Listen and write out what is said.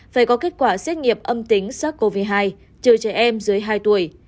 phải có kết quả xét nghiệm âm tính sắc covid một mươi chín trừ trẻ em dưới hai tuổi